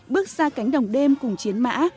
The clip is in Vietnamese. bước sa cánh đồng đêm cùng chiến mã